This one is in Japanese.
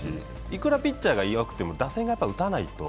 いくらピッチャーがよくても打線が弱いと。